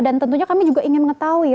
dan tentunya kami juga ingin mengetahui